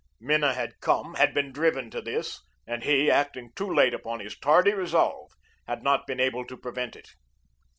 Minna had come had been driven to this; and he, acting too late upon his tardy resolve, had not been able to prevent it.